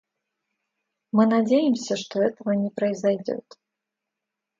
Мы надеемся, что этого не произойдет.